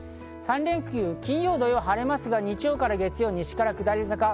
３連休、金曜、土曜は晴れますが、日曜から月曜は西から下り坂。